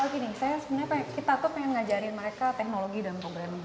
gini saya sebenarnya kita tuh pengen ngajarin mereka teknologi dan program